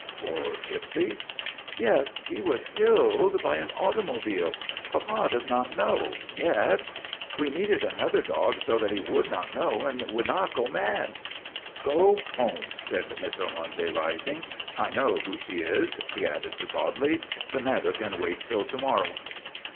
"For Gypsy?" Yes, he was killed by an automobile. Papa does not know yet. We needed another dog so that he would not know and would not go mad." MADNESS OF ANTONY SPATOLA 89 " Go home," said Miss Ormonde, rising. " I know who she is," she added to Bodley. " The mat ter can wait till to morrow."